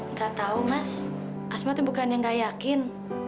gak tahu mas asma tuh bukan yang gak yakin